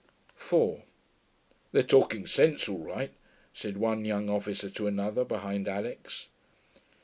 4 'They're talking sense all right,' said one young officer to another, behind Alix.